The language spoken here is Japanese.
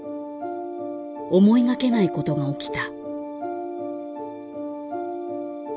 思いがけないことが起きた。